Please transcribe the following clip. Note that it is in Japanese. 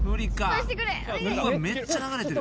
めっちゃ流れてる。